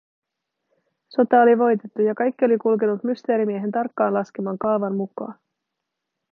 Sota oli voitettu, ja kaikki oli kulkenut Mysteerimiehen tarkkaan laskeman kaavan mukaan.